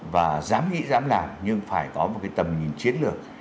và dám nghĩ dám làm nhưng phải có một cái tầm nhìn chiến lược